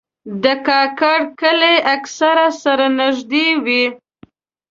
د کاکړ کلي اکثره سره نږدې وي.